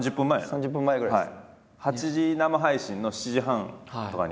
３０分前ぐらいです。